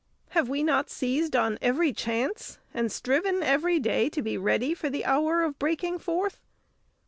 Have we not seized on every chance, and striven every day to be ready for the hour of breaking forth?